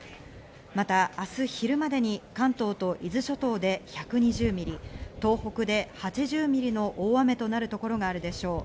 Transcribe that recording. また、明日昼までに関東と伊豆諸島で１２０ミリ、東北で８０ミリの大雨となるところがあるでしょう。